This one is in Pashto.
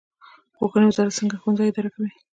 پوهنې وزارت څنګه ښوونځي اداره کوي؟